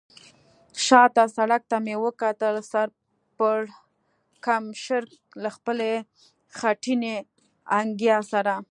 شا ته سړک ته مې وکتل، سر پړکمشر له خپلې خټینې انګیا سره.